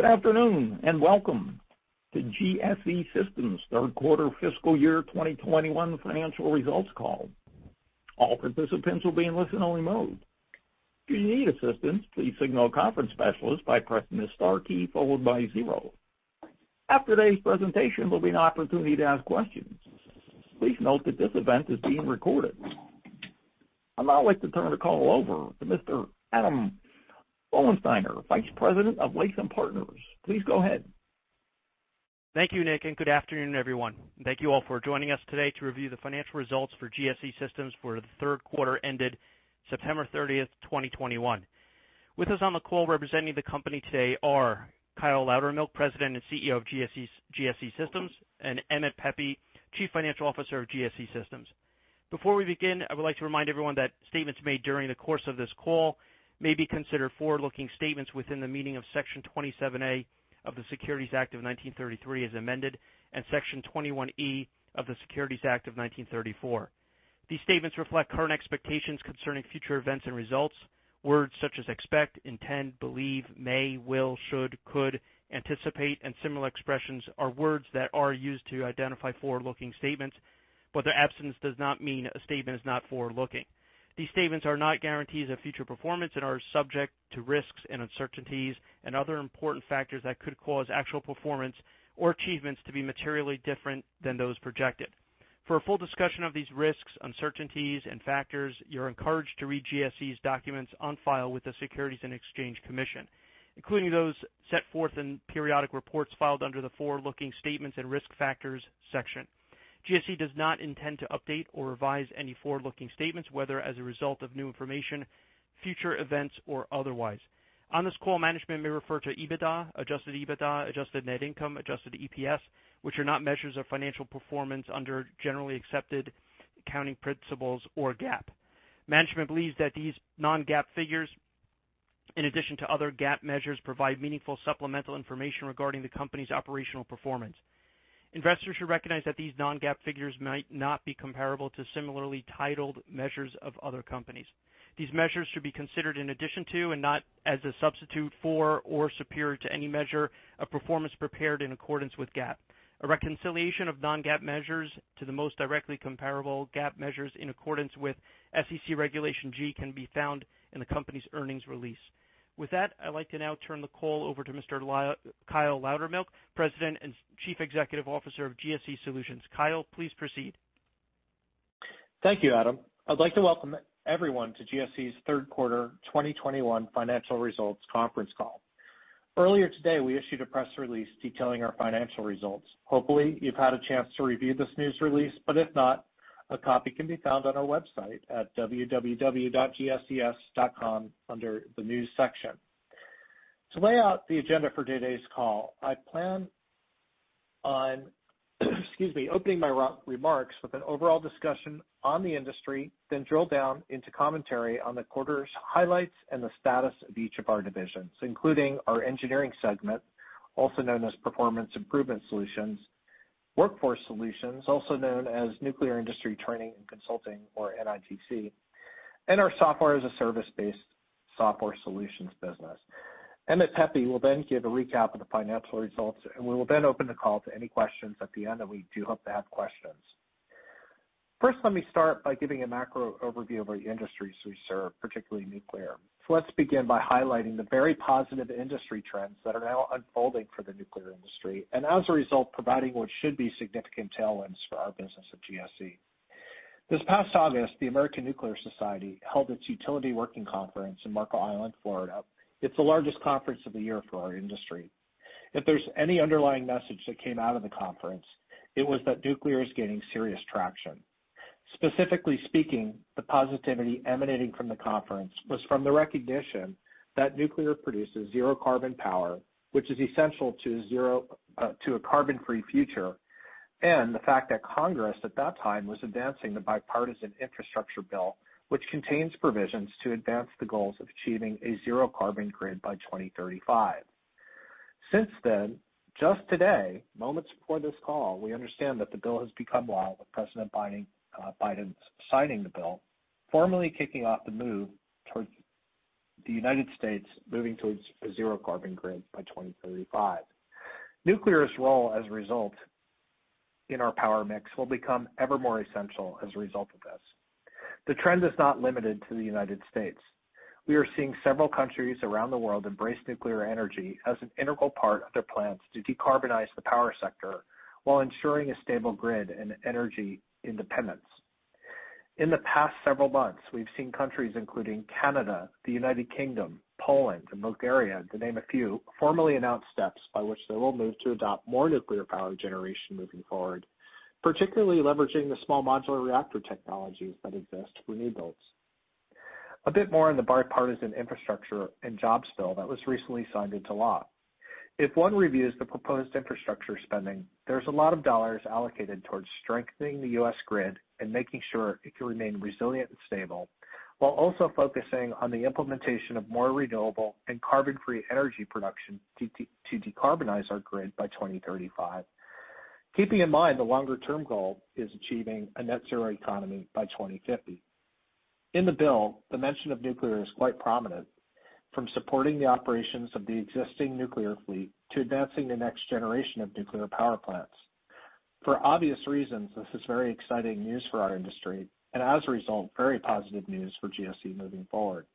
Good afternoon, and welcome to GSE Systems third quarter fiscal year 2021 financial results call. All participants will be in listen-only mode. If you need assistance, please signal a conference specialist by pressing the star key followed by zero. After today's presentation, there'll be an opportunity to ask questions. Please note that this event is being recorded. I'd now like to turn the call over to Mr. Adam Lowensteiner, Vice President of Lytham Partners. Please go ahead. Thank you, Nick, and good afternoon, everyone. Thank you all for joining us today to review the financial results for GSE Systems for the third quarter ended September 30, 2021. With us on the call representing the company today are Kyle Loudermilk, President and CEO of GSE Systems, and Emmett Pepe, Chief Financial Officer of GSE Systems. Before we begin, I would like to remind everyone that statements made during the course of this call may be considered forward-looking statements within the meaning of Section 27A of the Securities Act of 1933, as amended, and Section 21E of the Securities Exchange Act of 1934. These statements reflect current expectations concerning future events and results. Words such as expect, intend, believe, may, will, should, could, anticipate, and similar expressions are words that are used to identify forward-looking statements, but their absence does not mean a statement is not forward-looking. These statements are not guarantees of future performance and are subject to risks and uncertainties and other important factors that could cause actual performance or achievements to be materially different than those projected. For a full discussion of these risks, uncertainties, and factors, you're encouraged to read GSE's documents on file with the Securities and Exchange Commission, including those set forth in periodic reports filed under the Forward-Looking Statements and Risk Factors section. GSE does not intend to update or revise any forward-looking statements, whether as a result of new information, future events, or otherwise. On this call, management may refer to EBITDA, adjusted EBITDA, adjusted net income, adjusted EPS, which are not measures of financial performance under generally accepted accounting principles or GAAP. Management believes that these non-GAAP figures, in addition to other GAAP measures, provide meaningful supplemental information regarding the company's operational performance. Investors should recognize that these non-GAAP figures might not be comparable to similarly titled measures of other companies. These measures should be considered in addition to and not as a substitute for or superior to any measure of performance prepared in accordance with GAAP. A reconciliation of non-GAAP measures to the most directly comparable GAAP measures in accordance with SEC Regulation G can be found in the company's earnings release. With that, I'd like to now turn the call over to Mr. Kyle Loudermilk, President and Chief Executive Officer of GSE Systems. Kyle, please proceed. Thank you, Adam. I'd like to welcome everyone to GSE's third quarter 2021 financial results conference call. Earlier today, we issued a press release detailing our financial results. Hopefully, you've had a chance to review this news release, but if not, a copy can be found on our website at gses.com under the News section. To lay out the agenda for today's call, I plan on opening my remarks with an overall discussion on the industry, then drill down into commentary on the quarter's highlights and the status of each of our divisions, including our engineering segment, also known as Performance Improvement Solutions, Workforce Solutions, also known as Nuclear Industry Training and Consulting, or NITC, and our software-as-a-service-based software solutions business. Emmett Pepe will then give a recap of the financial results, and we will then open the call to any questions at the end, and we do hope to have questions. First, let me start by giving a macro overview of the industries we serve, particularly nuclear. Let's begin by highlighting the very positive industry trends that are now unfolding for the nuclear industry, and as a result, providing what should be significant tailwinds for our business at GSE. This past August, the American Nuclear Society held its Utility Working Conference in Marco Island, Florida. It's the largest conference of the year for our industry. If there's any underlying message that came out of the conference, it was that nuclear is gaining serious traction. Specifically speaking, the positivity emanating from the conference was from the recognition that nuclear produces zero carbon power, which is essential to a carbon-free future, and the fact that Congress at that time was advancing the Bipartisan Infrastructure Bill, which contains provisions to advance the goals of achieving a zero carbon grid by 2035. Since then, just today, moments before this call, we understand that the bill has become law with President Biden signing the bill, formally kicking off the move towards the United States moving towards a zero carbon grid by 2035. Nuclear's role as a result in our power mix will become ever more essential as a result of this. The trend is not limited to the United States. We are seeing several countries around the world embrace nuclear energy as an integral part of their plans to decarbonize the power sector while ensuring a stable grid and energy independence. In the past several months, we've seen countries including Canada, the United Kingdom, Poland, and Bulgaria, to name a few, formally announce steps by which they will move to adopt more nuclear power generation moving forward, particularly leveraging the small modular reactor technologies that exist for new builds. A bit more on the Bipartisan Infrastructure and Jobs Bill that was recently signed into law. If one reviews the proposed infrastructure spending, there's a lot of dollars allocated towards strengthening the U.S. grid and making sure it can remain resilient and stable while also focusing on the implementation of more renewable and carbon-free energy production to decarbonize our grid by 2035. Keeping in mind the longer-term goal is achieving a net zero economy by 2050. In the bill, the mention of nuclear is quite prominent, from supporting the operations of the existing nuclear fleet to advancing the next generation of nuclear power plants. For obvious reasons, this is very exciting news for our industry, and as a result, very positive news for GSE moving forward.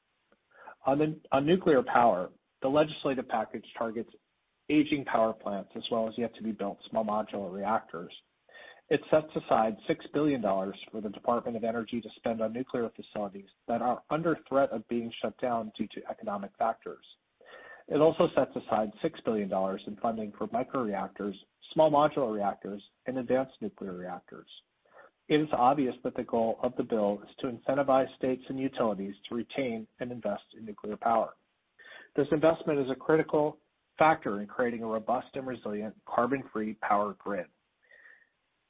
On nuclear power, the legislative package targets aging power plants as well as yet to be built small modular reactors. It sets aside $6 billion for the Department of Energy to spend on nuclear facilities that are under threat of being shut down due to economic factors. It also sets aside $6 billion in funding for microreactors, small modular reactors, and advanced nuclear reactors. It is obvious that the goal of the bill is to incentivize states and utilities to retain and invest in nuclear power. This investment is a critical factor in creating a robust and resilient carbon-free power grid.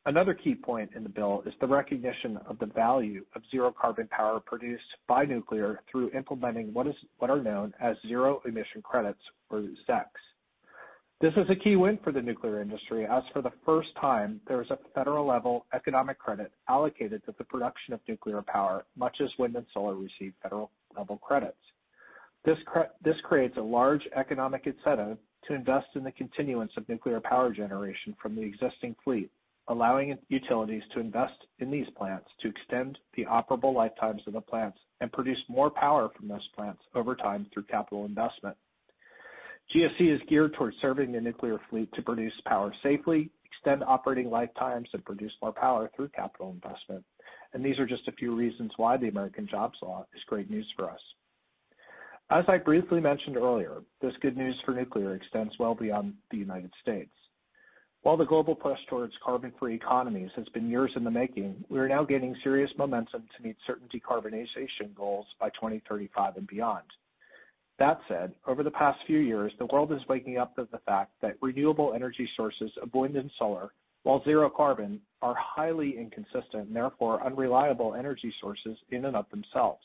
Another key point in the bill is the recognition of the value of zero carbon power produced by nuclear through implementing what are known as Zero Emission Credits or ZECs. This is a key win for the nuclear industry, as for the first time, there is a federal-level economic credit allocated to the production of nuclear power, much as wind and solar receive federal-level credits. This creates a large economic incentive to invest in the continuance of nuclear power generation from the existing fleet, allowing utilities to invest in these plants to extend the operable lifetimes of the plants and produce more power from those plants over time through capital investment. GSE is geared towards serving the nuclear fleet to produce power safely, extend operating lifetimes, and produce more power through capital investment, and these are just a few reasons why the American Jobs Act is great news for us. As I briefly mentioned earlier, this good news for nuclear extends well beyond the United States. While the global push towards carbon-free economies has been years in the making, we are now gaining serious momentum to meet certain decarbonization goals by 2035 and beyond. That said, over the past few years, the world is waking up to the fact that renewable energy sources, wind and solar, while zero carbon, are highly inconsistent, therefore unreliable energy sources in and of themselves.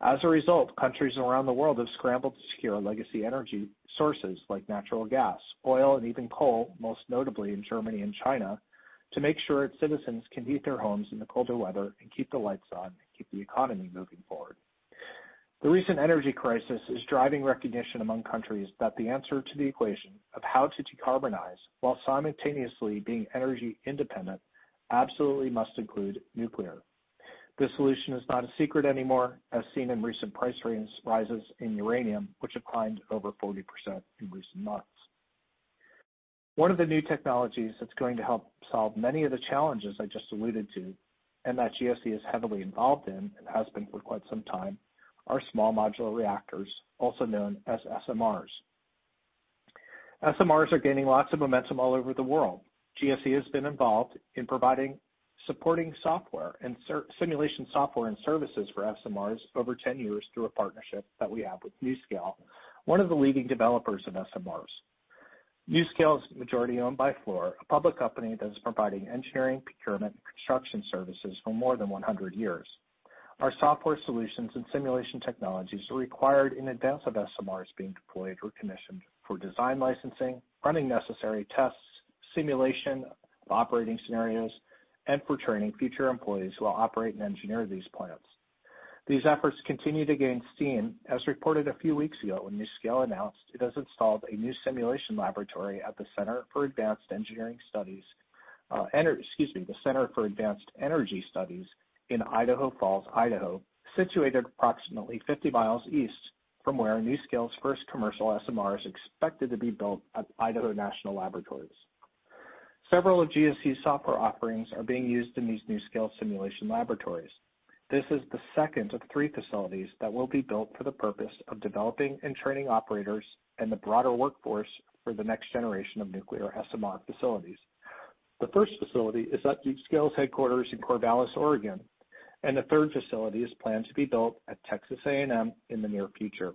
As a result, countries around the world have scrambled to secure legacy energy sources like natural gas, oil, and even coal, most notably in Germany and China, to make sure its citizens can heat their homes in the colder weather and keep the lights on and keep the economy moving forward. The recent energy crisis is driving recognition among countries that the answer to the equation of how to decarbonize while simultaneously being energy independent absolutely must include nuclear. This solution is not a secret anymore, as seen in recent price rises in uranium, which have climbed over 40% in recent months. One of the new technologies that's going to help solve many of the challenges I just alluded to, and that GSE is heavily involved in and has been for quite some time, are small modular reactors, also known as SMRs. SMRs are gaining lots of momentum all over the world. GSE has been involved in providing supporting software and simulation software and services for SMRs over 10 years through a partnership that we have with NuScale, one of the leading developers of SMRs. NuScale is majority-owned by Fluor, a public company that is providing engineering, procurement, and construction services for more than 100 years. Our software solutions and simulation technologies are required in advance of SMRs being deployed or commissioned for design licensing, running necessary tests, simulation of operating scenarios, and for training future employees who will operate and engineer these plants. These efforts continue to gain steam, as reported a few weeks ago when NuScale announced it has installed a new simulation laboratory at the Center for Advanced Energy Studies in Idaho Falls, Idaho, situated approximately 50 mi east from where NuScale's first commercial SMR is expected to be built at Idaho National Laboratory. Several of GSE's software offerings are being used in these NuScale simulation laboratories. This is the second of three facilities that will be built for the purpose of developing and training operators and the broader workforce for the next generation of nuclear SMR facilities. The first facility is at NuScale's headquarters in Corvallis, Oregon, and a third facility is planned to be built at Texas A&M in the near future.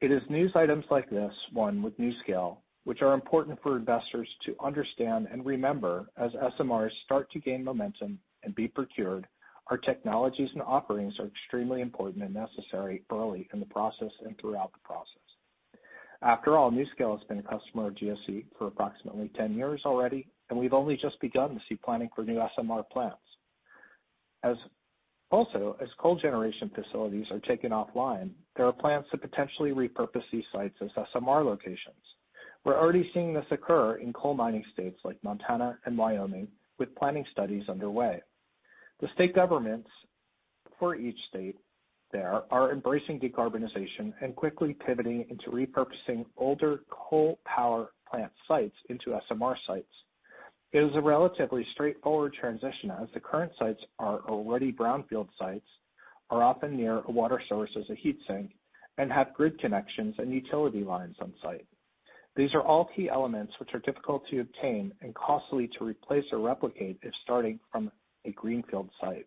It is news items like this one with NuScale, which are important for investors to understand and remember as SMRs start to gain momentum and be procured. Our technologies and offerings are extremely important and necessary early in the process and throughout the process. After all, NuScale has been a customer of GSE for approximately 10 years already, and we've only just begun to see planning for new SMR plants. Also, as coal generation facilities are taken offline, there are plans to potentially repurpose these sites as SMR locations. We're already seeing this occur in coal mining states like Montana and Wyoming, with planning studies underway. The state governments for each state there are embracing decarbonization and quickly pivoting into repurposing older coal power plant sites into SMR sites. It is a relatively straightforward transition as the current sites are already brownfield sites, are often near a water source as a heat sink, and have grid connections and utility lines on site. These are all key elements which are difficult to obtain and costly to replace or replicate if starting from a greenfield site.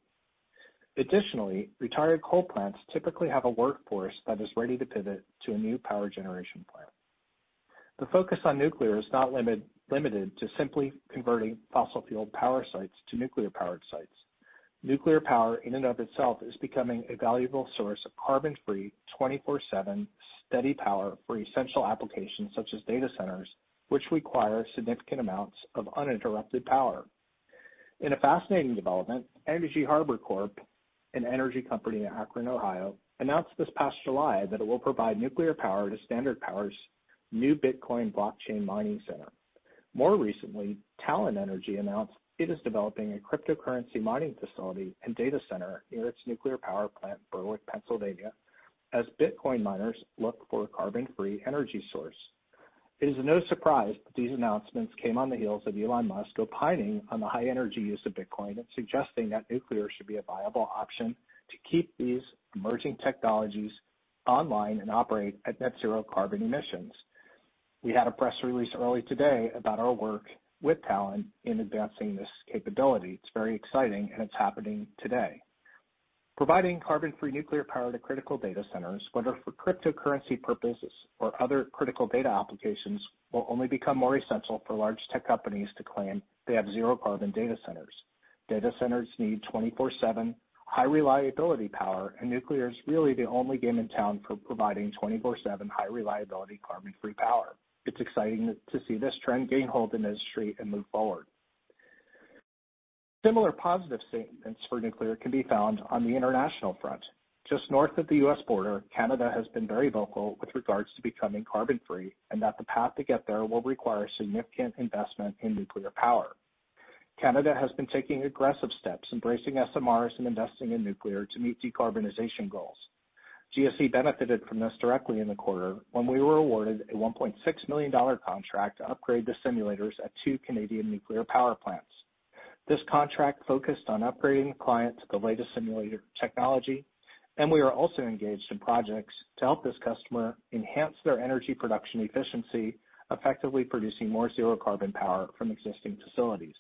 Additionally, retired coal plants typically have a workforce that is ready to pivot to a new power generation plant. The focus on nuclear is not limited to simply converting fossil fuel power sites to nuclear powered sites. Nuclear power in and of itself is becoming a valuable source of carbon-free, 24/7 steady power for essential applications such as data centers, which require significant amounts of uninterrupted power. In a fascinating development, Energy Harbor Corp, an energy company in Akron, Ohio, announced this past July that it will provide nuclear power to Standard Power's new Bitcoin blockchain mining center. More recently, Talen Energy announced it is developing a cryptocurrency mining facility and data center near its nuclear power plant in Berwick, Pennsylvania, as Bitcoin miners look for a carbon-free energy source. It is no surprise that these announcements came on the heels of Elon Musk opining on the high energy use of Bitcoin and suggesting that nuclear should be a viable option to keep these emerging technologies online and operate at net zero carbon emissions. We had a press release early today about our work with Talen in advancing this capability. It's very exciting, and it's happening today. Providing carbon-free nuclear power to critical data centers, whether for cryptocurrency purposes or other critical data applications, will only become more essential for large tech companies to claim they have zero carbon data centers. Data centers need 24/7 high-reliability power, and nuclear is really the only game in town for providing 24/7 high-reliability carbon-free power. It's exciting to see this trend gain hold in the industry and move forward. Similar positive statements for nuclear can be found on the international front. Just north of the U.S. border, Canada has been very vocal with regards to becoming carbon-free, and that the path to get there will require significant investment in nuclear power. Canada has been taking aggressive steps, embracing SMRs and investing in nuclear to meet decarbonization goals. GSE benefited from this directly in the quarter when we were awarded a $1.6 million contract to upgrade the simulators at two Canadian nuclear power plants. This contract focused on upgrading the client to the latest simulator technology, and we are also engaged in projects to help this customer enhance their energy production efficiency, effectively producing more zero-carbon power from existing facilities.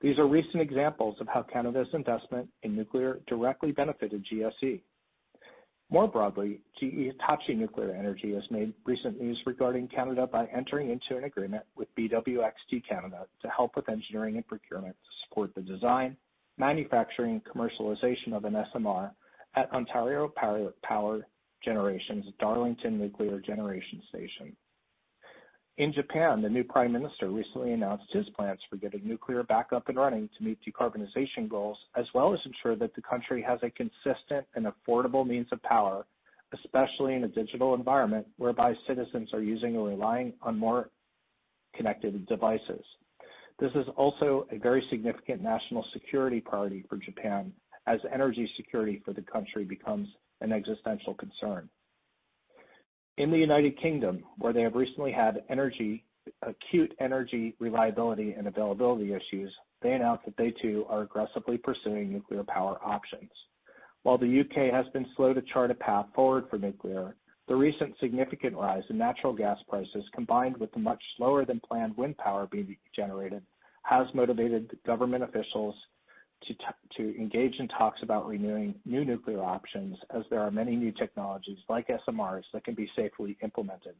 These are recent examples of how Canada's investment in nuclear directly benefited GSE. More broadly, GE Hitachi Nuclear Energy has made recent news regarding Canada by entering into an agreement with BWXT Canada to help with engineering and procurement to support the design, manufacturing, and commercialization of an SMR at Ontario Power Generation's Darlington Nuclear Generating Station. In Japan, the new prime minister recently announced his plans for getting nuclear back up and running to meet decarbonization goals, as well as ensure that the country has a consistent and affordable means of power, especially in a digital environment whereby citizens are using or relying on more connected devices. This is also a very significant national security priority for Japan as energy security for the country becomes an existential concern. In the United Kingdom, where they have recently had acute energy reliability and availability issues, they announced that they too are aggressively pursuing nuclear power options. While the U.K. has been slow to chart a path forward for nuclear, the recent significant rise in natural gas prices, combined with the much slower than planned wind power being generated, has motivated government officials to engage in talks about renewing new nuclear options as there are many new technologies like SMRs that can be safely implemented.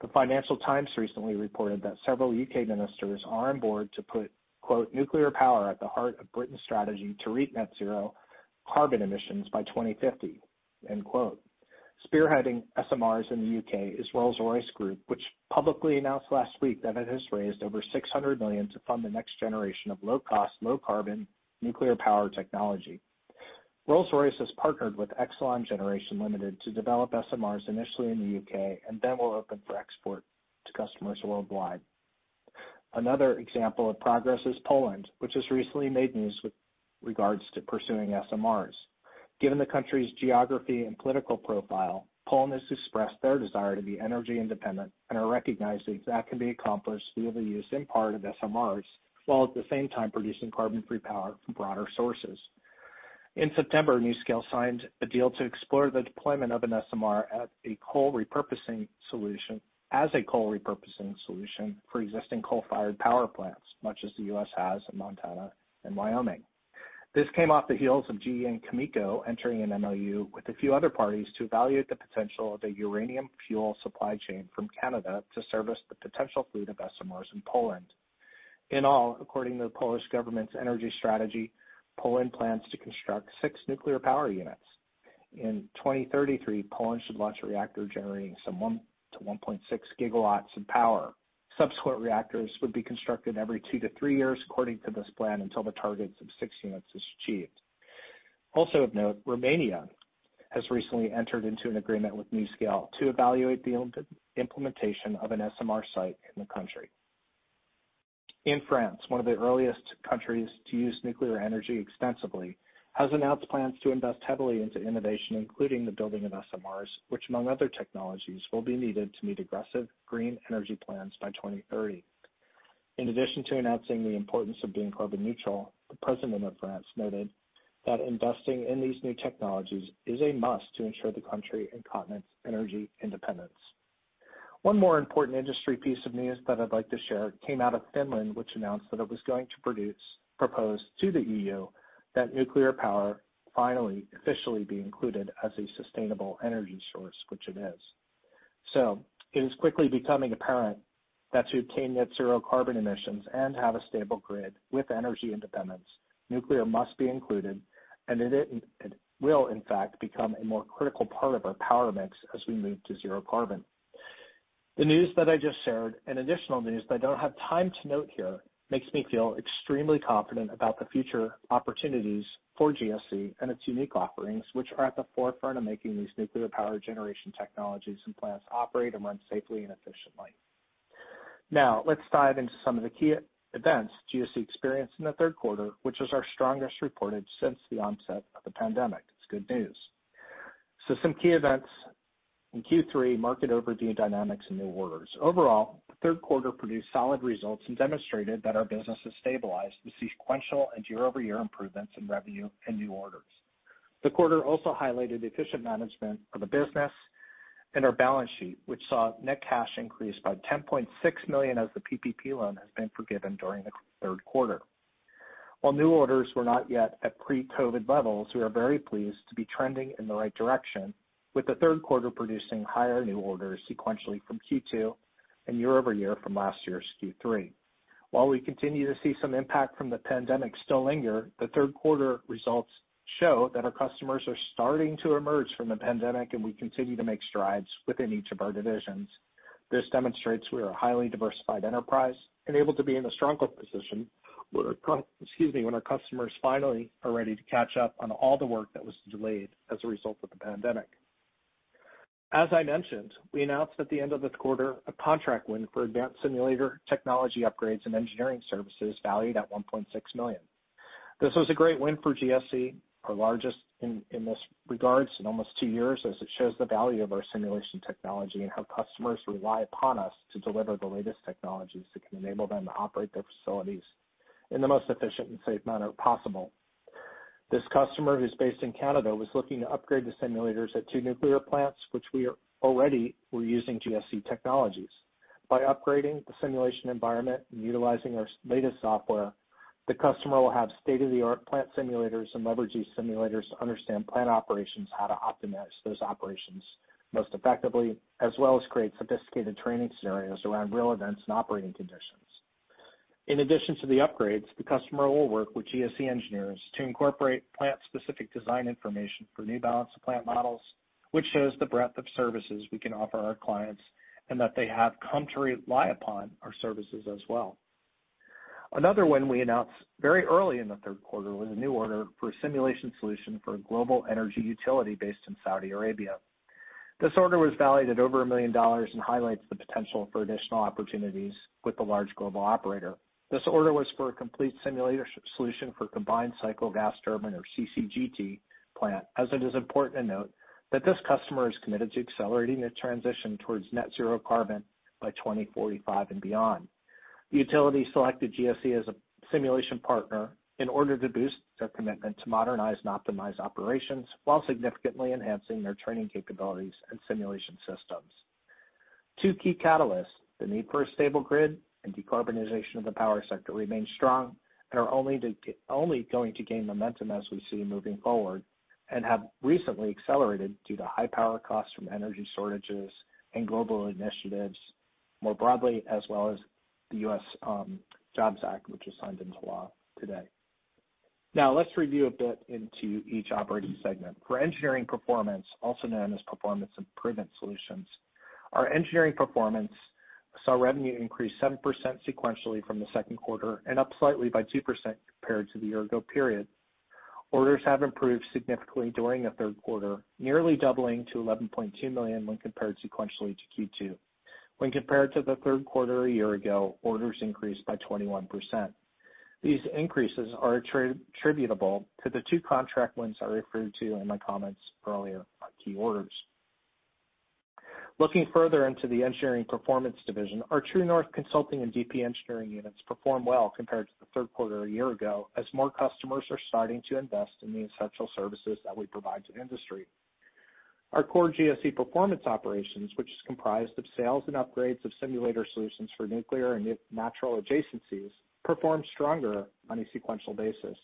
The Financial Times recently reported that several U.K. ministers are on board to put, quote, nuclear power at the heart of Britain's strategy to reach net zero carbon emissions by 2050, end quote. Spearheading SMRs in the U.K. is Rolls-Royce Group, which publicly announced last week that it has raised over $600 million to fund the next generation of low-cost, low-carbon nuclear power technology. Rolls-Royce has partnered with Exelon Generation Limited to develop SMRs initially in the U.K. and then will open for export to customers worldwide. Another example of progress is Poland, which has recently made news with regards to pursuing SMRs. Given the country's geography and political profile, Poland has expressed their desire to be energy independent and are recognizing that can be accomplished via the use in part of SMRs, while at the same time producing carbon-free power from broader sources. In September, NuScale signed a deal to explore the deployment of an SMR as a coal repurposing solution for existing coal-fired power plants, much as the U.S. has in Montana and Wyoming. This came off the heels of GE and Cameco entering an MOU with a few other parties to evaluate the potential of a uranium fuel supply chain from Canada to service the potential fleet of SMRs in Poland. In all, according to the Polish government's energy strategy, Poland plans to construct six nuclear power units. In 2033, Poland should launch a reactor generating some 1 GW-1.6 GW of power. Subsequent reactors would be constructed every two to three years according to this plan until the targets of six units is achieved. Also of note, Romania has recently entered into an agreement with NuScale to evaluate the implementation of an SMR site in the country. In France, one of the earliest countries to use nuclear energy extensively, has announced plans to invest heavily into innovation, including the building of SMRs, which among other technologies, will be needed to meet aggressive green energy plans by 2030. In addition to announcing the importance of being carbon neutral, the president of France noted that investing in these new technologies is a must to ensure the country and continent's energy independence. One more important industry piece of news that I'd like to share came out of Finland, which announced that it was going to propose to the EU that nuclear power finally officially be included as a sustainable energy source, which it is. It is quickly becoming apparent that to obtain net zero carbon emissions and have a stable grid with energy independence, nuclear must be included, and it will in fact become a more critical part of our power mix as we move to zero carbon. The news that I just shared and additional news that I don't have time to note here makes me feel extremely confident about the future opportunities for GSE and its unique offerings, which are at the forefront of making these nuclear power generation technologies and plants operate and run safely and efficiently. Now, let's dive into some of the key events GSE experienced in the third quarter, which is our strongest reported since the onset of the pandemic. It's good news. Some key events in Q3, market order dynamics, and new orders. Overall, the third quarter produced solid results and demonstrated that our business has stabilized with sequential and year-over-year improvements in revenue and new orders. The quarter also highlighted efficient management of the business and our balance sheet, which saw net cash increase by $10.6 million as the PPP loan has been forgiven during the third quarter. While new orders were not yet at pre-COVID levels, we are very pleased to be trending in the right direction, with the third quarter producing higher new orders sequentially from Q2 and year-over-year from last year's Q3. While we continue to see some impact from the pandemic still linger, the third quarter results show that our customers are starting to emerge from the pandemic, and we continue to make strides within each of our divisions. This demonstrates we are a highly diversified enterprise and able to be in a stronger position when our customers finally are ready to catch up on all the work that was delayed as a result of the pandemic. As I mentioned, we announced at the end of this quarter a contract win for advanced simulator technology upgrades and engineering services valued at $1.6 million. This was a great win for GSE, our largest in this regard in almost two years, as it shows the value of our simulation technology and how customers rely upon us to deliver the latest technologies that can enable them to operate their facilities in the most efficient and safe manner possible. This customer, who's based in Canada, was looking to upgrade the simulators at two nuclear plants, which already were using GSE technologies. By upgrading the simulation environment and utilizing our latest software, the customer will have state-of-the-art plant simulators and leveraging simulators to understand plant operations, how to optimize those operations most effectively, as well as create sophisticated training scenarios around real events and operating conditions. In addition to the upgrades, the customer will work with GSE engineers to incorporate plant-specific design information for new balance of plant models, which shows the breadth of services we can offer our clients and that they have come to rely upon our services as well. Another win we announced very early in the third quarter was a new order for a simulation solution for a global energy utility based in Saudi Arabia. This order was valued at over $1 million and highlights the potential for additional opportunities with the large global operator. This order was for a complete simulator solution for combined-cycle gas turbine, or CCGT, plant, as it is important to note that this customer is committed to accelerating its transition towards net zero carbon by 2045 and beyond. The utility selected GSE as a simulation partner in order to boost their commitment to modernize and optimize operations while significantly enhancing their training capabilities and simulation systems. Two key catalysts, the need for a stable grid and decarbonization of the power sector, remain strong and are only going to gain momentum as we see moving forward and have recently accelerated due to high power costs from energy shortages and global initiatives more broadly, as well as the U.S. Jobs Act, which was signed into law today. Now, let's review a bit into each operating segment. For engineering performance, also known as Performance Improvement Solutions, our engineering performance saw revenue increase 7% sequentially from the second quarter and up slightly by 2% compared to the year ago period. Orders have improved significantly during the third quarter, nearly doubling to $11.2 million when compared sequentially to Q2. When compared to the third quarter a year ago, orders increased by 21%. These increases are attributable to the two contract wins I referred to in my comments earlier on key orders. Looking further into the engineering performance division, our TrueNorth Consulting and DP Engineering units performed well compared to the third quarter a year ago as more customers are starting to invest in the essential services that we provide to the industry. Our core GSE performance operations, which is comprised of sales and upgrades of simulator solutions for nuclear and natural adjacencies, performed stronger on a sequential basis.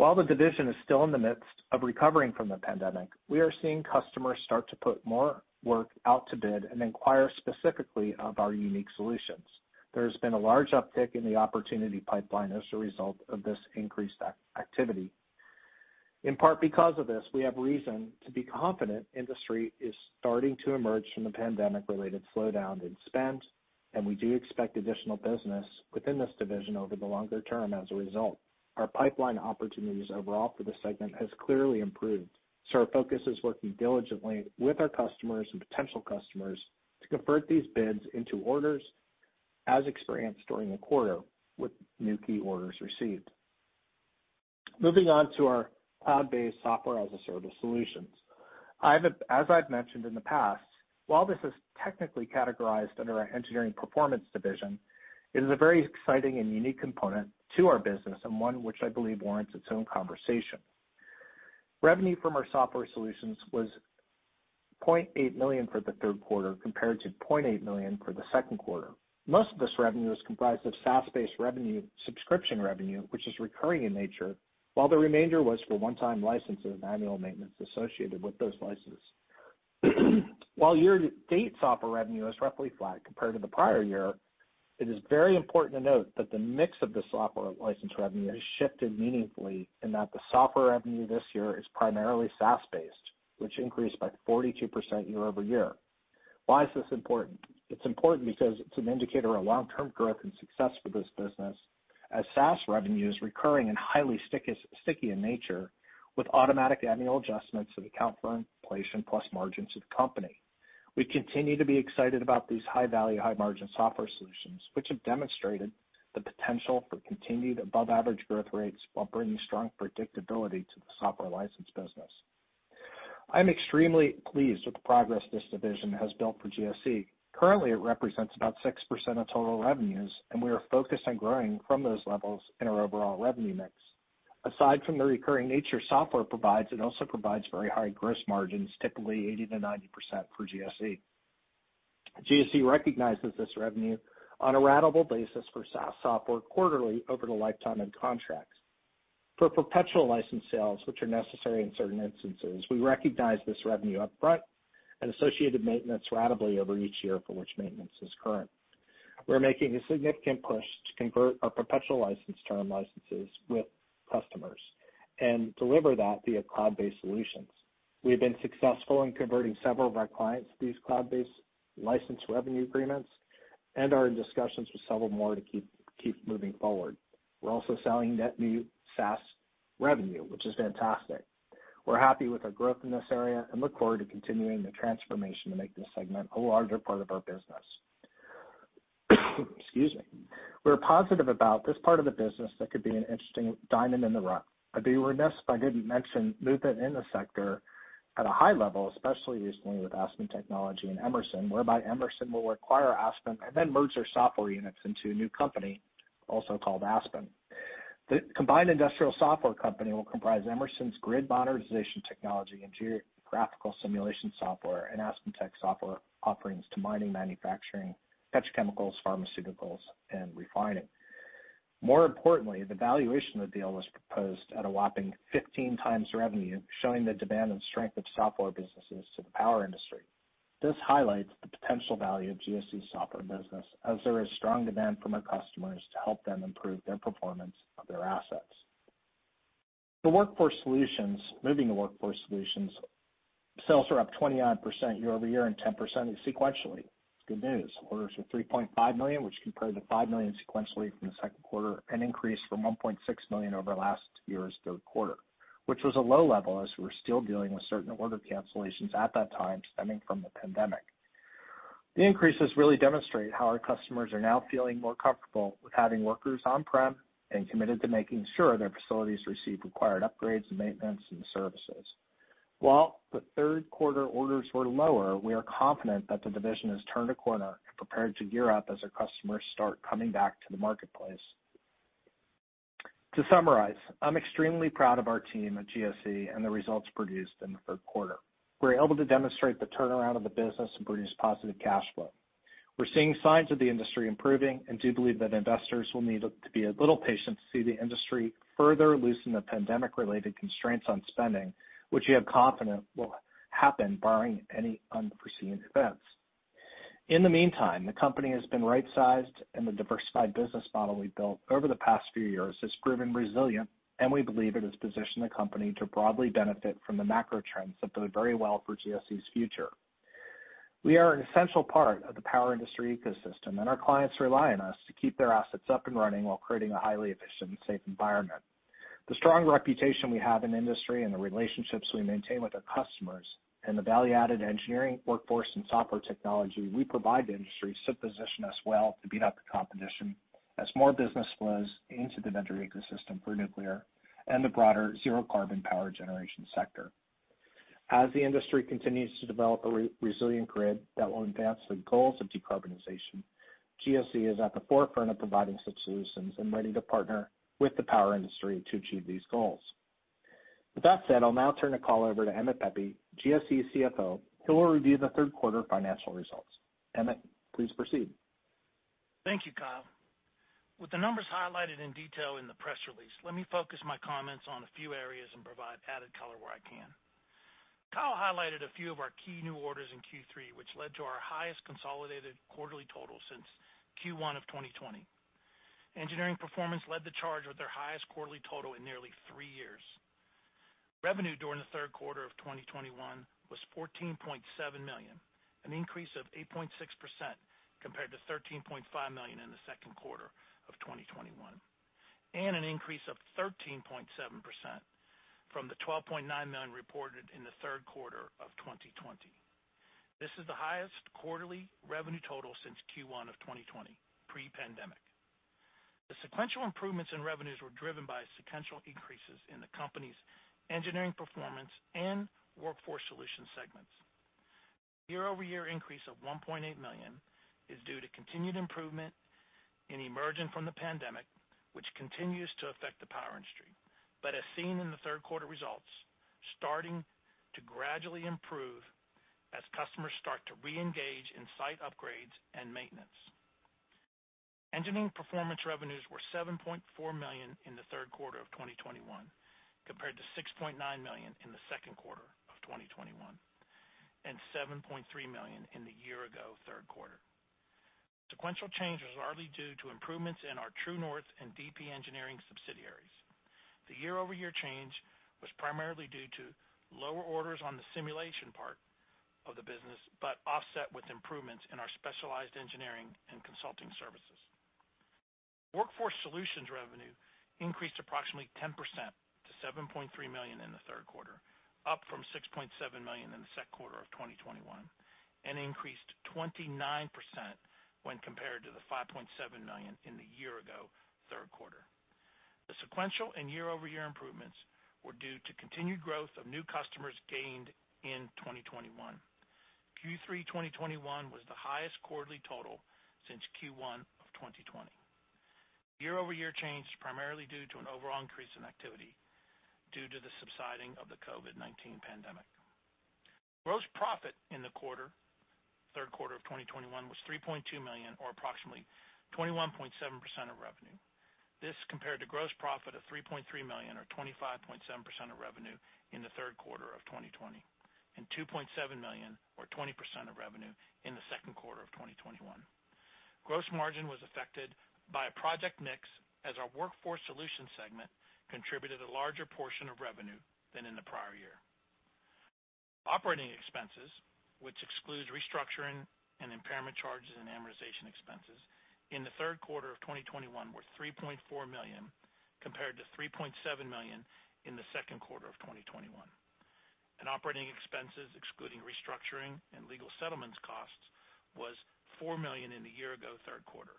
While the division is still in the midst of recovering from the pandemic, we are seeing customers start to put more work out to bid and inquire specifically of our unique solutions. There has been a large uptick in the opportunity pipeline as a result of this increased activity. In part because of this, we have reason to be confident industry is starting to emerge from the pandemic-related slowdown in spend, and we do expect additional business within this division over the longer term as a result. Our pipeline opportunities overall for the segment has clearly improved, so our focus is working diligently with our customers and potential customers to convert these bids into orders as experienced during the quarter with new key orders received. Moving on to our cloud-based software-as-a-service solutions. As I've mentioned in the past, while this is technically categorized under our engineering performance division, it is a very exciting and unique component to our business and one which I believe warrants its own conversation. Revenue from our software solutions was $0.8 million for the third quarter compared to $0.8 million for the second quarter. Most of this revenue is comprised of SaaS-based revenue—subscription revenue, which is recurring in nature, while the remainder was for one-time licenses and annual maintenance associated with those licenses. While year to date software revenue is roughly flat compared to the prior year. It is very important to note that the mix of the software license revenue has shifted meaningfully, and that the software revenue this year is primarily SaaS-based, which increased by 42% year-over-year. Why is this important? It's important because it's an indicator of long-term growth and success for this business as SaaS revenue is recurring and highly sticky in nature with automatic annual adjustments to account for inflation plus margins of the company. We continue to be excited about these high-value, high-margin software solutions, which have demonstrated the potential for continued above-average growth rates while bringing strong predictability to the software license business. I'm extremely pleased with the progress this division has built for GSE. Currently, it represents about 6% of total revenues, and we are focused on growing from those levels in our overall revenue mix. Aside from the recurring nature software provides, it also provides very high gross margins, typically 80%-90% for GSE. GSE recognizes this revenue on a ratable basis for SaaS software quarterly over the lifetime of contracts. For perpetual license sales, which are necessary in certain instances, we recognize this revenue up front and associated maintenance ratably over each year for which maintenance is current. We're making a significant push to convert our perpetual license term licenses with customers and deliver that via cloud-based solutions. We have been successful in converting several of our clients to these cloud-based license revenue agreements and are in discussions with several more to keep moving forward. We're also selling net new SaaS revenue, which is fantastic. We're happy with our growth in this area and look forward to continuing the transformation to make this segment a larger part of our business. Excuse me. We're positive about this part of the business that could be an interesting diamond in the rough. I'd be remiss if I didn't mention movement in the sector at a high level, especially recently with Aspen Technology and Emerson, whereby Emerson will acquire Aspen and then merge their software units into a new company, also called Aspen. The combined industrial software company will comprise Emerson's grid modernization technology and geographical simulation software and AspenTech software offerings to mining, manufacturing, petrochemicals, pharmaceuticals, and refining. More importantly, the valuation of the deal was proposed at a whopping 15x revenue, showing the demand and strength of software businesses to the power industry. This highlights the potential value of GSE's software business, as there is strong demand from our customers to help them improve their performance of their assets. For Workforce Solutions, moving to Workforce Solutions, sales are up 20-odd% year-over-year and 10% sequentially. It's good news. Orders are $3.5 million, which compared to $5 million sequentially from the second quarter and increased from $1.6 million over last year's third quarter, which was a low level as we were still dealing with certain order cancellations at that time stemming from the pandemic. The increases really demonstrate how our customers are now feeling more comfortable with having workers on-prem and committed to making sure their facilities receive required upgrades, and maintenance, and services. While the third quarter orders were lower, we are confident that the division has turned a corner and prepared to gear up as our customers start coming back to the marketplace. To summarize, I'm extremely proud of our team at GSE and the results produced in the third quarter. We're able to demonstrate the turnaround of the business and produce positive cash flow. We're seeing signs of the industry improving and do believe that investors will need to be a little patient to see the industry further loosen the pandemic-related constraints on spending, which we are confident will happen barring any unforeseen events. In the meantime, the company has been right-sized, and the diversified business model we've built over the past few years has proven resilient, and we believe it has positioned the company to broadly benefit from the macro trends that bode very well for GSE's future. We are an essential part of the power industry ecosystem, and our clients rely on us to keep their assets up and running while creating a highly efficient and safe environment. The strong reputation we have in the industry and the relationships we maintain with our customers and the value-added engineering, workforce, and software technology we provide the industry should position us well to beat out the competition as more business flows into the vendor ecosystem for nuclear and the broader zero-carbon power generation sector. As the industry continues to develop a resilient grid that will advance the goals of decarbonization, GSE is at the forefront of providing such solutions and ready to partner with the power industry to achieve these goals. With that said, I'll now turn the call over to Emmett Pepe, GSE's CFO, who will review the third quarter financial results. Emmett, please proceed. Thank you, Kyle. With the numbers highlighted in detail in the press release, let me focus my comments on a few areas and provide added color where I can. Kyle highlighted a few of our key new orders in Q3, which led to our highest consolidated quarterly total since Q1 of 2020. Engineering performance led the charge with their highest quarterly total in nearly three years. Revenue during the third quarter of 2021 was $14.7 million, an increase of 8.6% compared to $13.5 million in the second quarter of 2021, and an increase of 13.7% from the $12.9 million reported in the third quarter of 2020. This is the highest quarterly revenue total since Q1 of 2020, pre-pandemic. The sequential improvements in revenues were driven by sequential increases in the company's engineering performance and workforce solutions segments. Year-over-year increase of $1.8 million is due to continued improvements emerging from the pandemic, which continues to affect the power industry, but as seen in the third quarter results, starting to gradually improve as customers start to reengage in site upgrades and maintenance. Engineering performance revenues were $7.4 million in the third quarter of 2021 compared to $6.9 million in the second quarter of 2021. $7.3 million in the year-ago third quarter. Sequential change was largely due to improvements in our TrueNorth and DP Engineering subsidiaries. The year-over-year change was primarily due to lower orders on the simulation part of the business, but offset with improvements in our specialized engineering and consulting services. Workforce Solutions revenue increased approximately 10% to $7.3 million in the third quarter, up from $6.7 million in the second quarter of 2021, and increased 29% when compared to the $5.7 million in the year ago third quarter. The sequential and year-over-year improvements were due to continued growth of new customers gained in 2021. Q3 2021 was the highest quarterly total since Q1 of 2020. Year-over-year change is primarily due to an overall increase in activity due to the subsiding of the COVID-19 pandemic. Gross profit in the third quarter of 2021 was $3.2 million, or approximately 21.7% of revenue. This compared to gross profit of $3.3 million, or 25.7% of revenue in the third quarter of 2020, and $2.7 million or 20% of revenue in the second quarter of 2021. Gross margin was affected by a project mix as our Workforce Solutions segment contributed a larger portion of revenue than in the prior year. Operating expenses, which excludes restructuring and impairment charges and amortization expenses in the third quarter of 2021 were $3.4 million compared to $3.7 million in the second quarter of 2021. Operating expenses excluding restructuring and legal settlements costs was $4 million in the year ago third quarter.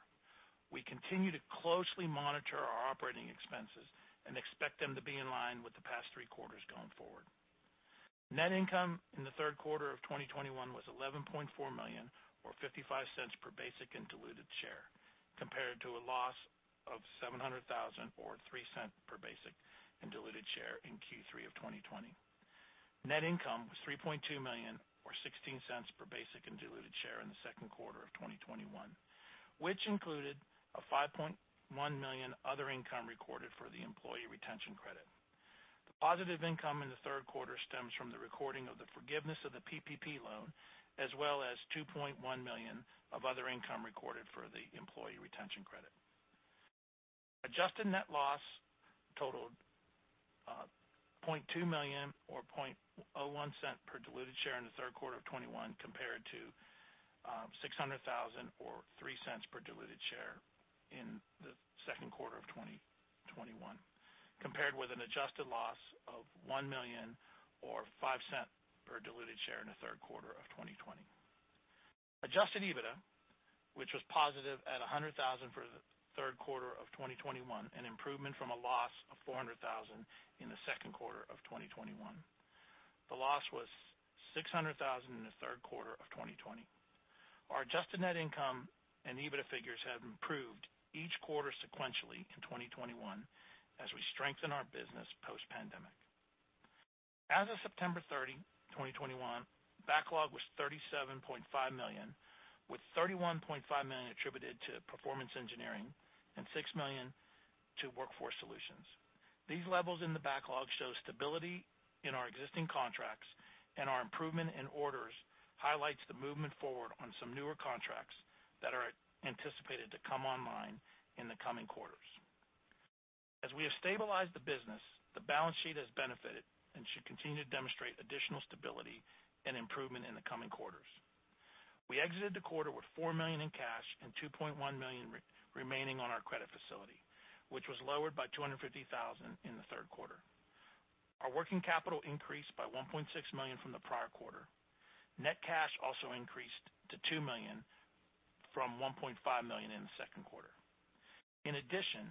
We continue to closely monitor our operating expenses and expect them to be in line with the past three quarters going forward. Net income in the third quarter of 2021 was $11.4 million or $0.55 per basic and diluted share, compared to a loss of $700,000 or $0.03 per basic and diluted share in Q3 of 2020. Net income was $3.2 million or $0.16 per basic and diluted share in the second quarter of 2021, which included a $5.1 million other income recorded for the Employee Retention Credit. The positive income in the third quarter stems from the recording of the forgiveness of the PPP loan, as well as $2.1 million of other income recorded for the Employee Retention Credit. Adjusted net loss totaled $0.2 million or $0.01 per diluted share in the third quarter of 2021, compared to $600,000 or $0.03 per diluted share in the second quarter of 2021, compared with an adjusted loss of $1 million or $0.05 per diluted share in the third quarter of 2020. Adjusted EBITDA, which was positive at $100,000 for the third quarter of 2021, an improvement from a loss of $400,000 in the second quarter of 2021. The loss was $600,000 in the third quarter of 2020. Our adjusted net income and EBITDA figures have improved each quarter sequentially in 2021 as we strengthen our business post-pandemic. As of September 30, 2021, backlog was $37.5 million, with $31.5 million attributed to performance engineering and $6 million to workforce solutions. These levels in the backlog show stability in our existing contracts, and our improvement in orders highlights the movement forward on some newer contracts that are anticipated to come online in the coming quarters. As we have stabilized the business, the balance sheet has benefited and should continue to demonstrate additional stability and improvement in the coming quarters. We exited the quarter with $4 million in cash and $2.1 million remaining on our credit facility, which was lowered by $250,000 in the third quarter. Our working capital increased by $1.6 million from the prior quarter. Net cash also increased to $2 million from $1.5 million in the second quarter. In addition,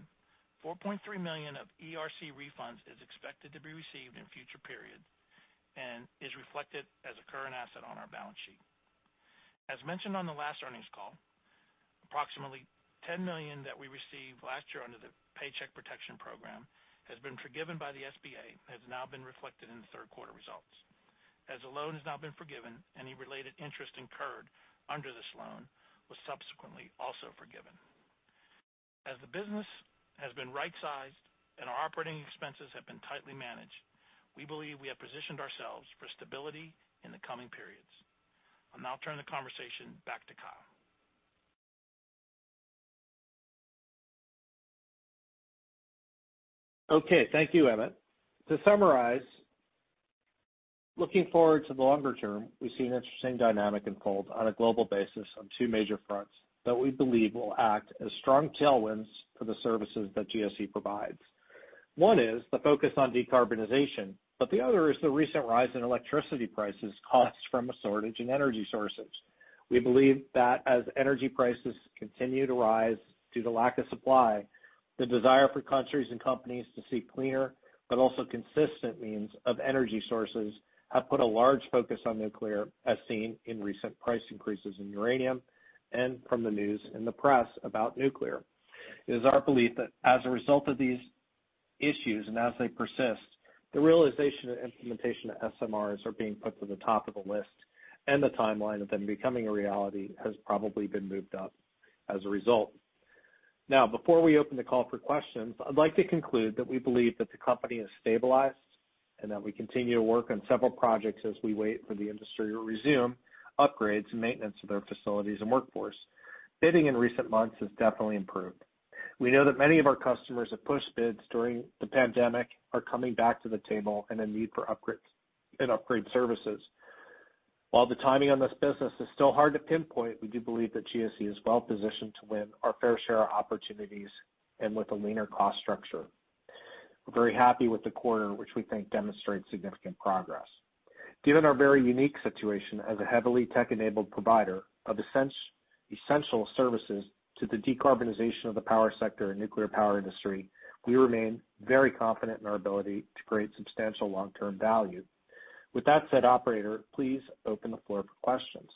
$4.3 million of ERC refunds is expected to be received in future periods and is reflected as a current asset on our balance sheet. As mentioned on the last earnings call, approximately $10 million that we received last year under the Paycheck Protection Program has been forgiven by the SBA and has now been reflected in the third quarter results. As the loan has now been forgiven, any related interest incurred under this loan was subsequently also forgiven. As the business has been right-sized and our operating expenses have been tightly managed, we believe we have positioned ourselves for stability in the coming periods. I'll now turn the conversation back to Kyle. Okay. Thank you, Emmett. To summarize, looking forward to the longer term, we see an interesting dynamic unfold on a global basis on two major fronts that we believe will act as strong tailwinds for the services that GSE provides. One is the focus on decarbonization, but the other is the recent rise in electricity prices caused from a shortage in energy sources. We believe that as energy prices continue to rise due to lack of supply, the desire for countries and companies to seek cleaner but also consistent means of energy sources have put a large focus on nuclear, as seen in recent price increases in uranium and from the news in the press about nuclear. It is our belief that as a result of these issues and as they persist, the realization and implementation of SMRs are being put to the top of the list, and the timeline of them becoming a reality has probably been moved up as a result. Now, before we open the call for questions, I'd like to conclude that we believe that the company is stabilized and that we continue to work on several projects as we wait for the industry to resume upgrades and maintenance of their facilities and workforce. Bidding in recent months has definitely improved. We know that many of our customers have pushed bids during the pandemic, are coming back to the table and a need for upgrades and upgrade services. While the timing on this business is still hard to pinpoint, we do believe that GSE is well-positioned to win our fair share of opportunities and with a leaner cost structure. We're very happy with the quarter, which we think demonstrates significant progress. Given our very unique situation as a heavily tech-enabled provider of essential services to the decarbonization of the power sector and nuclear power industry, we remain very confident in our ability to create substantial long-term value. With that said, operator, please open the floor for questions.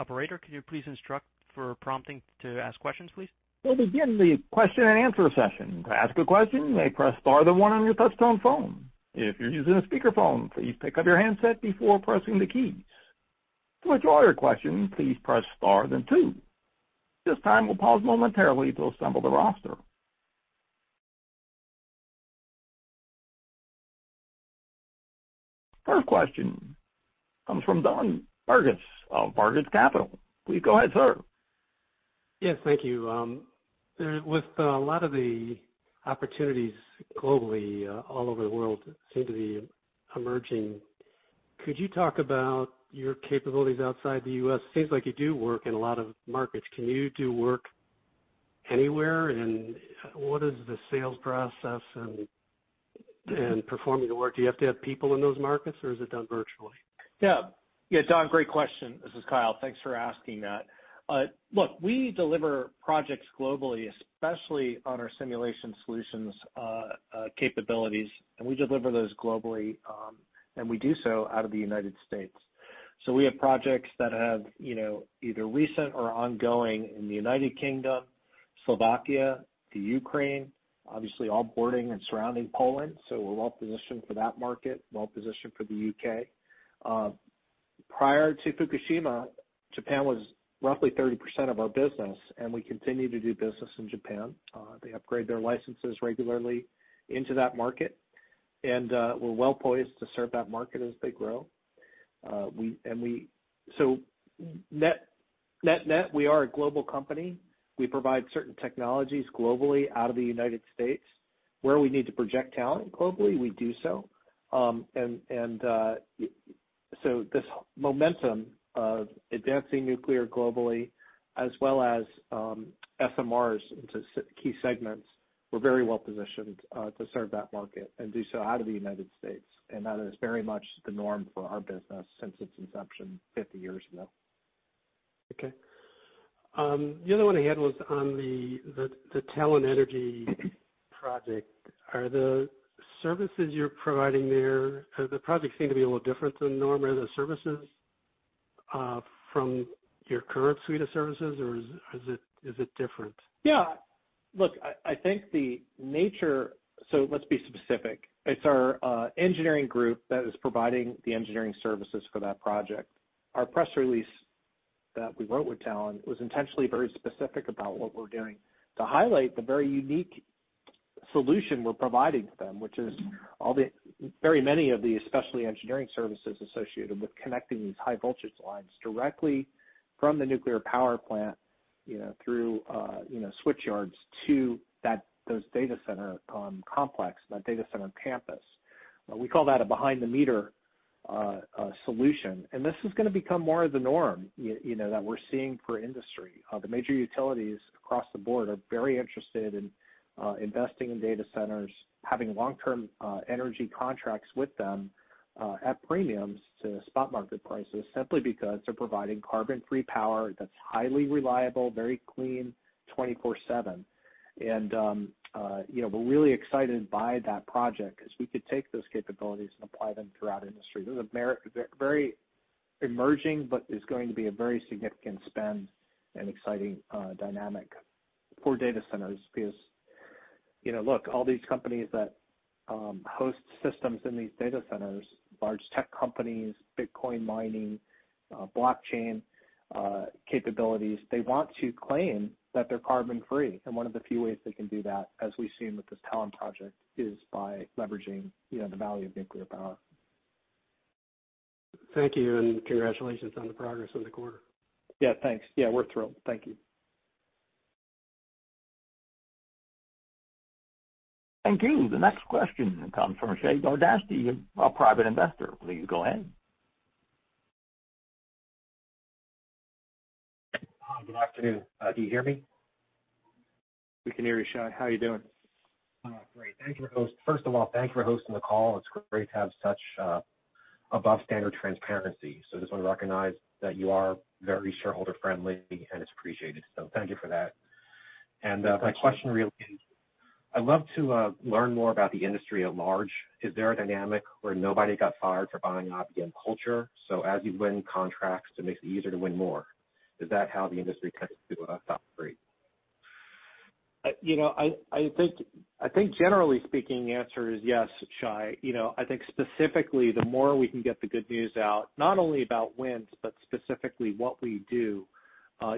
Operator, can you please instruct for prompting to ask questions, please? First question comes from Don Burgess of Burgess Capital. Please go ahead, sir. Yes, thank you. With a lot of the opportunities globally, all over the world seem to be emerging, could you talk about your capabilities outside the U.S.? Seems like you do work in a lot of markets. Can you do work anywhere? What is the sales process and performing the work? Do you have to have people in those markets, or is it done virtually? Yeah. Yeah, Don, great question. This is Kyle. Thanks for asking that. Look, we deliver projects globally, especially on our simulation solutions, capabilities, and we deliver those globally, and we do so out of the United States. We have projects that have, you know, either recent or ongoing in the United Kingdom, Slovakia, Ukraine, obviously all bordering and surrounding Poland, so we're well-positioned for that market, well-positioned for the U.K. Prior to Fukushima, Japan was roughly 30% of our business, and we continue to do business in Japan. They upgrade their licenses regularly into that market, and we're well poised to serve that market as they grow. Net, we are a global company. We provide certain technologies globally out of the United States. Where we need to project talent globally, we do so. This momentum of advancing nuclear globally as well as SMRs into key segments, we're very well-positioned to serve that market and do so out of the United States. That is very much the norm for our business since its inception 50 years ago. Okay. The other one I had was on the Talen Energy project. Do the projects seem to be a little different than norm? Are those services from your current suite of services, or is it different? Yeah. Look, I think the nature. So let's be specific. It's our engineering group that is providing the engineering services for that project. Our press release that we wrote with Talen was intentionally very specific about what we're doing to highlight the very unique solution we're providing to them, which is very many of the, especially engineering services associated with connecting these high voltage lines directly from the nuclear power plant, you know, through, you know, switch yards to those data center complex, that data center campus. We call that a behind the meter solution. This is gonna become more of the norm, you know, that we're seeing for industry. The major utilities across the board are very interested in investing in data centers, having long-term energy contracts with them at premiums to spot market prices simply because they're providing carbon free power that's highly reliable, very clean, 24/7. You know, we're really excited by that project 'cause we could take those capabilities and apply them throughout industry. Those are very emerging, but there's going to be a very significant spend and exciting dynamic for data centers because, you know, look, all these companies that host systems in these data centers, large tech companies, Bitcoin mining, blockchain capabilities, they want to claim that they're carbon free. One of the few ways they can do that, as we've seen with this Talen project, is by leveraging, you know, the value of nuclear power. Thank you, and congratulations on the progress in the quarter. Yeah, thanks. Yeah, we're thrilled. Thank you. Thank you. The next question comes from Shai Dardashti of Private Investor. Please go ahead. Good afternoon. Do you hear me? We can hear you, Shai. How are you doing? Great. First of all, thank you for hosting the call. It's great to have such above standard transparency. Just want to recognize that you are very shareholder-friendly, and it's appreciated. Thank you for that. Thank you. My question really is, I'd love to learn more about the industry at large. Is there a dynamic where nobody got fired for buying IBM culture, so as you win contracts, it makes it easier to win more? Is that how the industry kind of You know, I think generally speaking, the answer is yes, Shai. You know, I think specifically, the more we can get the good news out, not only about wins, but specifically what we do.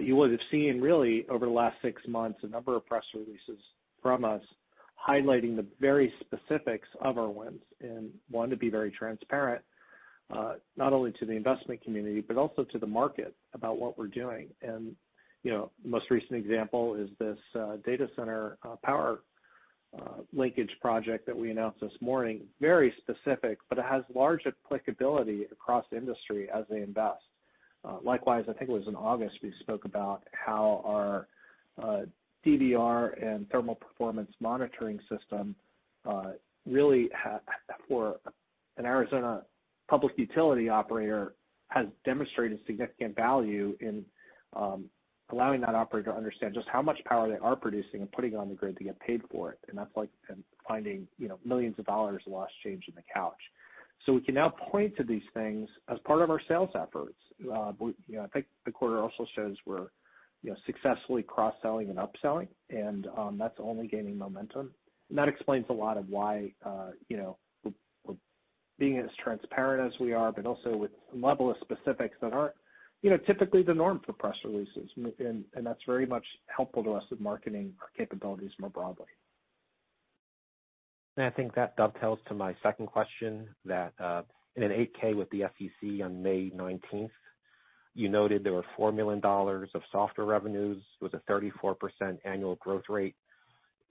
You would have seen really over the last six months a number of press releases from us highlighting the very specifics of our wins. Wanting to be very transparent, not only to the investment community, but also to the market about what we're doing. You know, most recent example is this data center power linkage project that we announced this morning. Very specific, but it has large applicability across industry as they invest. Likewise, I think it was in August, we spoke about how our DVR and thermal performance monitoring system really for an Arizona public utility operator has demonstrated significant value in allowing that operator to understand just how much power they are producing and putting it on the grid to get paid for it. That's like finding, you know, millions of dollars of lost change in the couch. We can now point to these things as part of our sales efforts. You know, I think the quarter also shows we're, you know, successfully cross-selling and upselling, and that's only gaining momentum. That explains a lot of why, you know, we're being as transparent as we are, but also with some level of specifics that aren't, you know, typically the norm for press releases. That's very much helpful to us with marketing our capabilities more broadly. I think that dovetails to my second question that, in an 8-K with the SEC on May 19, you noted there were $4 million of software revenues with a 34% annual growth rate.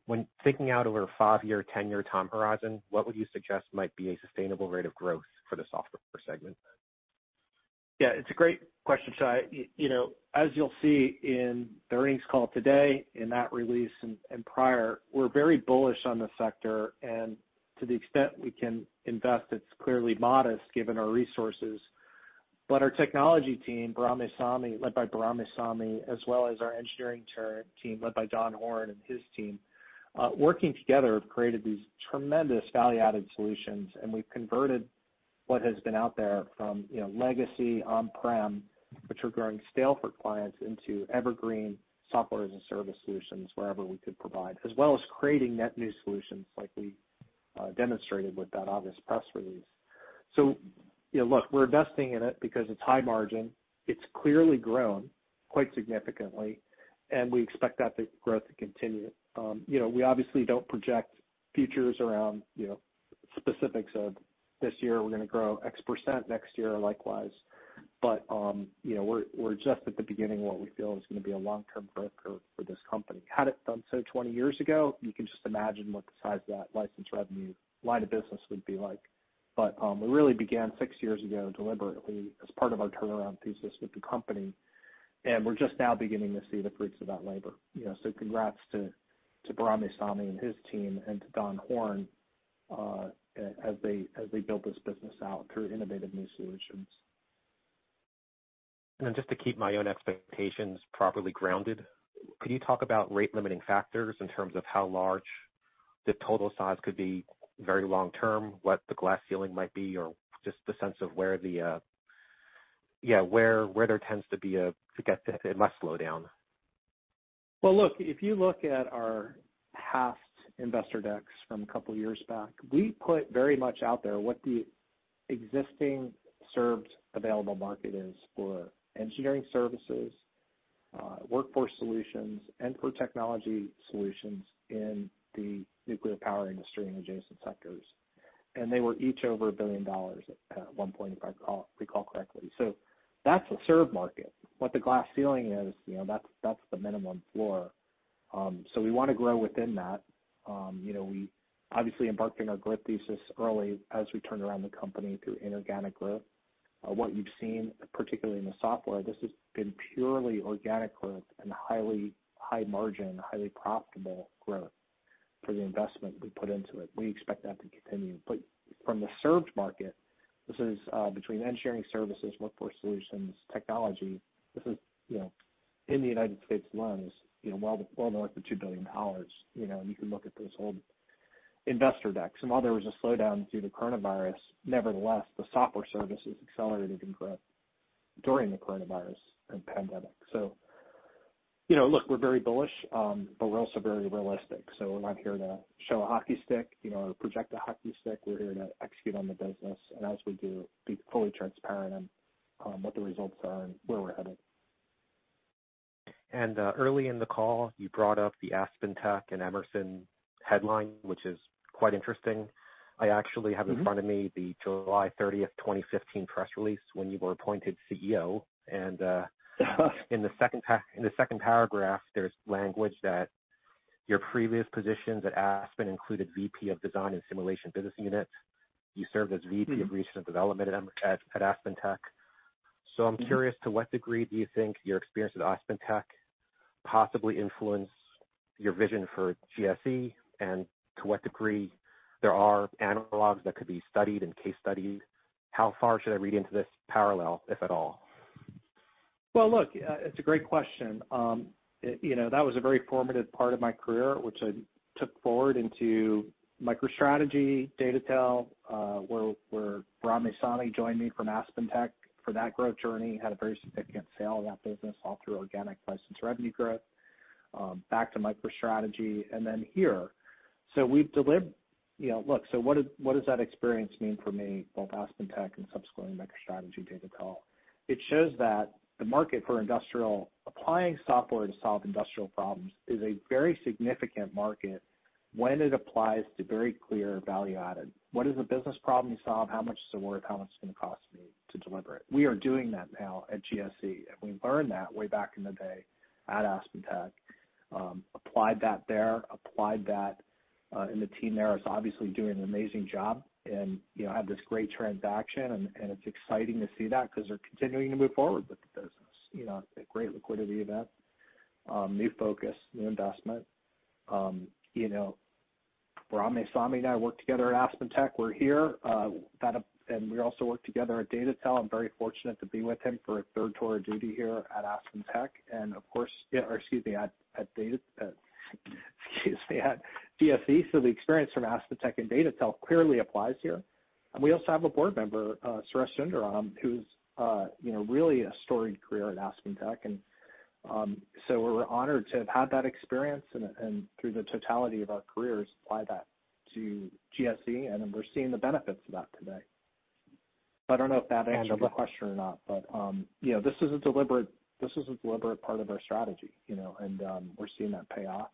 When thinking out over a five-year, 10-year time horizon, what would you suggest might be a sustainable rate of growth for the software segment? Yeah, it's a great question, Shai. You know, as you'll see in the earnings call today, in that release and prior, we're very bullish on the sector. To the extent we can invest, it's clearly modest given our resources. Our technology team, Bahram Meyssami, led by Bahram Meyssami, as well as our engineering team led by Don Horn and his team, working together have created these tremendous value-added solutions. We've converted what has been out there from, you know, legacy on-prem, which are growing stale for clients, into evergreen software-as-a-service solutions wherever we could provide, as well as creating net new solutions like we demonstrated with that August press release. You know, look, we're investing in it because it's high margin. It's clearly grown quite significantly, and we expect that the growth to continue. You know, we obviously don't project futures around, you know, specifics of this year we're gonna grow X%, next year likewise. We're just at the beginning of what we feel is gonna be a long-term growth curve for this company. Had it done so 20 years ago, you can just imagine what the size of that license revenue line of business would be like. We really began six years ago deliberately as part of our turnaround thesis with the company, and we're just now beginning to see the fruits of that labor. You know, congrats to Bahram Meyssami and his team and to Don Horn as they build this business out through innovative new solutions. Just to keep my own expectations properly grounded, could you talk about rate limiting factors in terms of how large the total size could be very long term, what the glass ceiling might be, or just the sense of where there tends to be a, to get to a less slowdown? Well, look, if you look at our past investor decks from a couple of years back, we put very much out there what the existing served available market is for engineering services, Workforce Solutions, and for technology solutions in the nuclear power industry and adjacent sectors. They were each over $1 billion at one point, if I recall correctly. That's a served market. What the glass ceiling is, you know, that's the minimum floor. We wanna grow within that. You know, we obviously embarked in our growth thesis early as we turned around the company through inorganic growth. What you've seen, particularly in the software, this has been purely organic growth and high margin, highly profitable growth for the investment we put into it. We expect that to continue. From the served market, this is between engineering services, Workforce Solutions, technology. This is, you know, in the United States alone is, you know, well north of $2 billion. You know, you can look at those old investor decks. While there was a slowdown due to COVID-19, nevertheless, the software services accelerated in growth during the COVID-19 pandemic. You know, look, we're very bullish, but we're also very realistic. We're not here to show a hockey stick, you know, or project a hockey stick. We're here to execute on the business, and as we do, be fully transparent on what the results are and where we're headed. Early in the call, you brought up the AspenTech and Emerson headline, which is quite interesting. I actually have in front of me the July 30, 2015 press release when you were appointed CEO. In the second paragraph, there's language that your previous positions at AspenTech included VP of Design and Simulation Business Unit. You served as VP- Mm-hmm... of Research and Development at AspenTech. I'm curious to what degree do you think your experience at AspenTech possibly influenced your vision for GSE, and to what degree there are analogs that could be studied and case studied? How far should I read into this parallel, if at all? Well, look, it's a great question. It, you know, that was a very formative part of my career, which I took forward into MicroStrategy, Datatel, where Bahram Meyssami joined me from AspenTech for that growth journey. Had a very significant sale of that business all through organic license revenue growth, back to MicroStrategy, and then here. We've delivered. You know, look, what does that experience mean for me, both AspenTech and subsequently MicroStrategy and Datatel? It shows that the market for industrial applying software to solve industrial problems is a very significant market when it applies to very clear value added. What is the business problem you solve? How much is the work? How much it's gonna cost me to deliver it? We are doing that now at GSE, and we learned that way back in the day at AspenTech, applied that there, and the team there is obviously doing an amazing job and, you know, have this great transaction and it's exciting to see that 'cause they're continuing to move forward with the business, you know. A great liquidity event, new focus, new investment. You know, Bahram Meyssami and I worked together at AspenTech. We're here and we also worked together at Datatel. I'm very fortunate to be with him for a third tour of duty here at GSE. The experience from AspenTech and Datatel clearly applies here. We also have a board member, Suresh Sundaram, who's, you know, really a storied career at AspenTech and, so we're honored to have had that experience and through the totality of our careers apply that to GSE, and then we're seeing the benefits of that today. I don't know if that answered your question or not, but, you know, this is a deliberate part of our strategy, you know, and, we're seeing that pay off.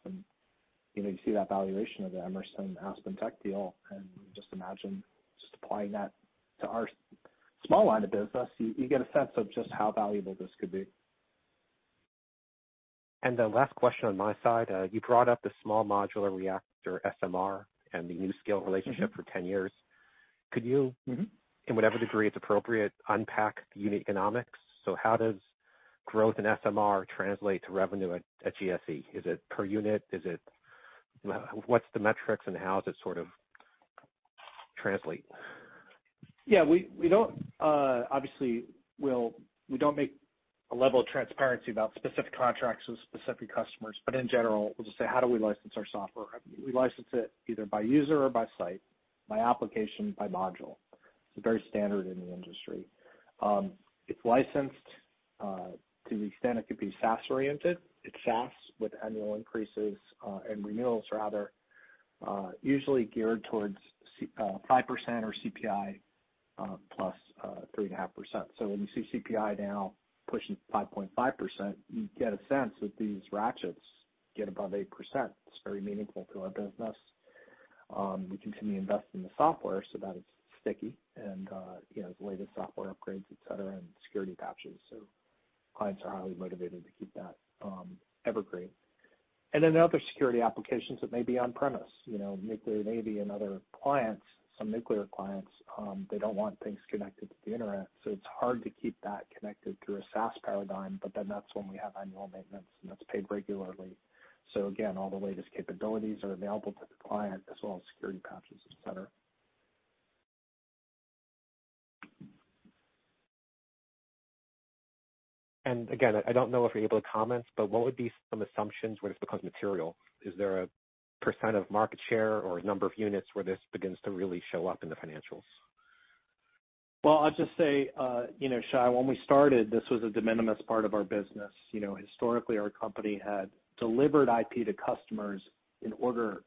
You know, you see that valuation of the Emerson AspenTech deal, and just imagine applying that to our small line of business, you get a sense of just how valuable this could be. The last question on my side. You brought up the small modular reactor, SMR, and the NuScale relationship for 10 years. Mm-hmm. Could you- Mm-hmm in whatever degree it's appropriate, unpack the unit economics? How does growth in SMR translate to revenue at GSE? Is it per unit? Is it what's the metrics and how does it sort of translate? Yeah. We don't obviously make a level of transparency about specific contracts with specific customers, but in general, we'll just say how do we license our software? We license it either by user or by site, by application, by module. It's very standard in the industry. It's licensed to the extent it could be SaaS oriented. It's SaaS with annual increases and renewals rather usually geared towards 5% or CPI plus 3.5%. When you see CPI now pushing 5.5%, you get a sense that these ratchets get above 8%. It's very meaningful to our business. We continue to invest in the software so that it's sticky and, you know, the latest software upgrades, et cetera, and security patches, so clients are highly motivated to keep that, evergreen. Then other security applications that may be on premise, you know, nuclear navy and other clients, some nuclear clients, they don't want things connected to the internet, so it's hard to keep that connected through a SaaS paradigm, but then that's when we have annual maintenance, and that's paid regularly. Again, all the latest capabilities are available to the client, as well as security patches, et cetera. Again, I don't know if you're able to comment, but what would be some assumptions when it becomes material? Is there a percent of market share or number of units where this begins to really show up in the financials? Well, I'll just say, you know, Shai, when we started, this was a de minimis part of our business. You know, historically, our company had delivered IP to customers in order,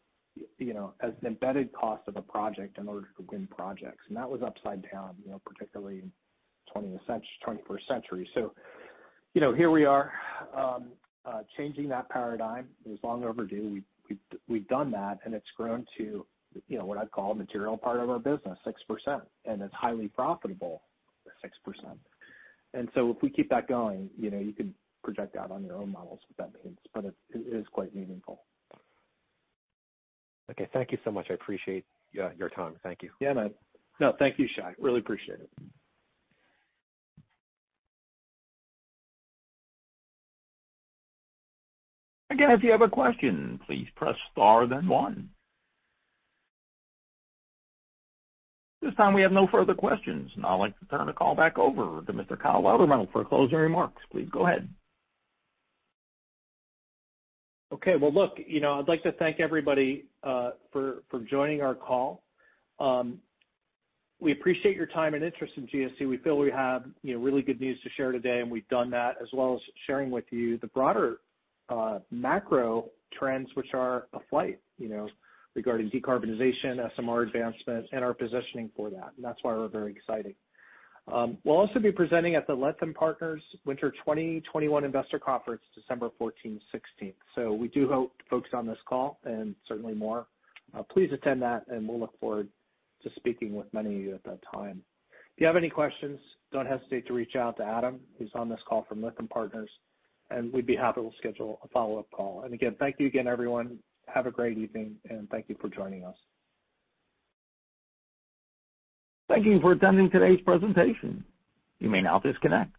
you know, as an embedded cost of a project in order to win projects, and that was upside down, you know, particularly in twenty-first century. You know, here we are, changing that paradigm. It was long overdue. We've done that, and it's grown to, you know, what I'd call a material part of our business, 6%, and it's highly profitable at 6%. If we keep that going, you know, you can project out on your own models what that means, but it is quite meaningful. Okay. Thank you so much. I appreciate your time. Thank you. Yeah, man. No, thank you, Shai. Really appreciate it. Again, if you have a question, please press star then one. At this time, we have no further questions, and I'd like to turn the call back over to Mr. Kyle Loudermilk for closing remarks. Please go ahead. Okay. Well, look, you know, I'd like to thank everybody for joining our call. We appreciate your time and interest in GSE. We feel we have, you know, really good news to share today, and we've done that, as well as sharing with you the broader macro trends, which are afoot, you know, regarding decarbonization, SMR advancements, and our positioning for that. That's why we're very excited. We'll also be presenting at the Lytham Partners Winter 2021 Investor Conference, December 14-16. We do hope folks on this call and certainly more please attend that, and we'll look forward to speaking with many of you at that time. If you have any questions, don't hesitate to reach out to Adam, who's on this call from Lytham Partners, and we'd be happy to schedule a follow-up call. Again, thank you again, everyone. Have a great evening, and thank you for joining us. Thank you for attending today's presentation. You may now disconnect.